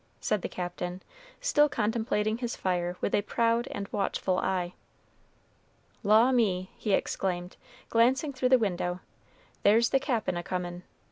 said the Captain, still contemplating his fire with a proud and watchful eye. "Law me!" he exclaimed, glancing through the window, "there's the Cap'n a comin'.